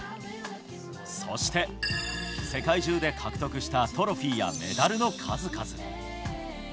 そして、世界中で獲得したトロフィーやメダルの数々。